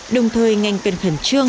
đồng thời ngành cần khẩn trương